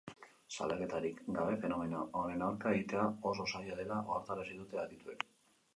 Salaketarik gabe fenomeno honen aurka egitea oso zaila dela ohartarazi dute adituek.